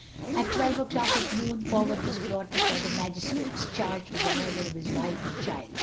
At twelve o'clock at noon Forward was brought before the magistrates, charged with the murder of his wife and child.